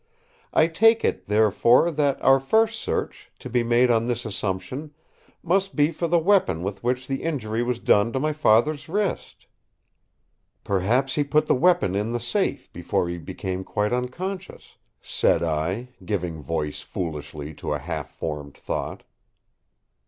I take it, therefore, that our first search, to be made on this assumption, must be for the weapon with which the injury was done to my Father's wrist." "Perhaps he put the weapon in the safe before he became quite unconscious," said I, giving voice foolishly to a half formed thought.